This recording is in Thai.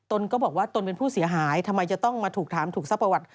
ก็บอกว่าตนเป็นผู้เสียหายทำไมจะต้องมาถูกถามถูกทรัพย์ประวัติ